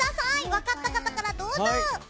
わかった方からどうぞ！